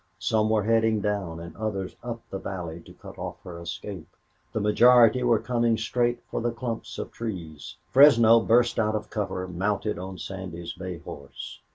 Some were heading down, and others up the valley to cut off her escape; the majority were coming straight for the clumps of trees. Fresno burst out of cover mounted on Sandy's bay horse.